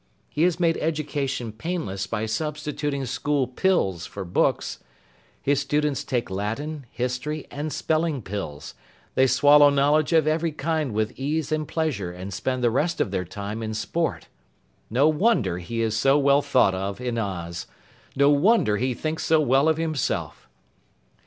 He has made education painless by substituting school pills for books. His students take Latin, history and spelling pills; they swallow knowledge of every kind with ease and pleasure and spend the rest of their time in sport. No wonder he is so well thought of in Oz! No wonder he thinks so well of himself!